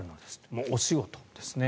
もうお仕事ですね。